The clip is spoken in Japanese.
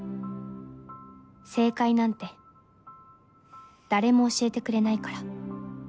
正解なんて誰も教えてくれないから。